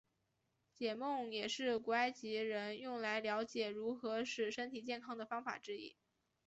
解梦也是古埃及人用来瞭解如何使身体健康的方法之一。